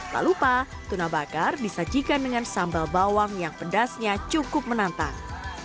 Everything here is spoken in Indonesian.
tak lupa tuna bakar disajikan dengan sambal bawang yang pedasnya cukup menantang